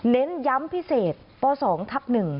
เน้นย้ำพิเศษป๒ทับ๑